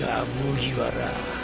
麦わら。